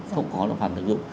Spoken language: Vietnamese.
không có nó phản thực hữu